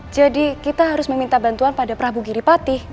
jadi kita harus meminta bantuan pada prabu giripati